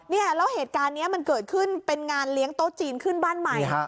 เนี่ยแล้วเหตุการณ์นี้มันเกิดขึ้นเป็นงานเลี้ยงโต๊ะจีนขึ้นบ้านใหม่